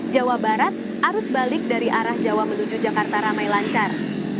jawa barat arus balik dari arah jawa menuju jakarta ramai lancar